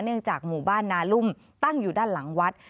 จากหมู่บ้านนารุ่มตั้งอยู่ด้านหลังวัด